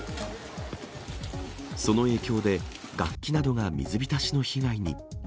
その影響で、楽器などが水浸しの被害に。